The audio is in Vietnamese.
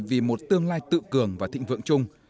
vì một tương lai tự cường và thịnh vượng chung